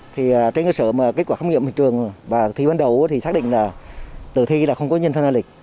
thì trên cơ sở mà kết quả khám nghiệm hiện trường và thi ban đầu thì xác định là tử thi là không có nhân thân ra lịch